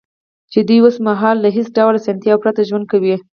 چې دوی اوس مهال له هېڅ ډول اسانتیاوو پرته ژوند کوي